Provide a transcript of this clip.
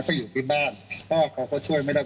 ก็อยู่ที่บ้านพ่อเขาก็ช่วยไม่ได้